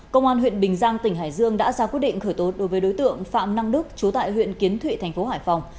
công an huyện bình giang tỉnh hải dương đã ra quyết định khởi tố đối với đối tượng phạm năng đức chú tại huyện kiến thụy thành phố hải phòng